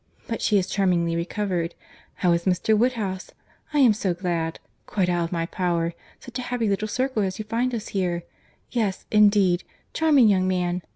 —But she is charmingly recovered.—How is Mr. Woodhouse?—I am so glad.—Quite out of my power.—Such a happy little circle as you find us here.—Yes, indeed.—Charming young man!